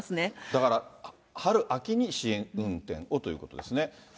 だから、春、秋に試運転をということですね。